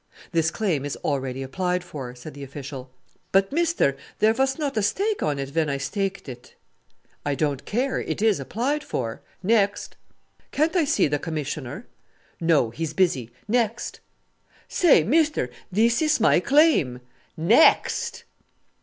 "This claim is already applied for," said the official. "But, mister, there vos not a stake on it ven I staked it." "I don't care! It is applied for. Next!" "Can't I see the Commissioner?" "No; he's busy. Next!" "Say! mister, this is my claim." "Next!"